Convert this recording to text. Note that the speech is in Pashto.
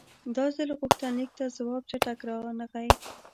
دا ځل غوښتنلیک ته ځواب چټک رانغی.